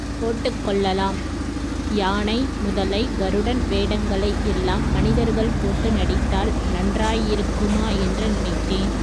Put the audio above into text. போட்டுக் கொள்ளலாம் யானை, முதலை, கருடன் வேடங்களை எல்லாம் மனிதர்கள் போட்டு நடித்தால் நன்றாயிருக்குமா என்று நினைத்தேன்.